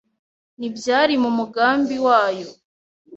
Ntibyari mu mugambi wayo